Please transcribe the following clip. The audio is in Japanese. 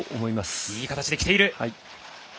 いい形できている。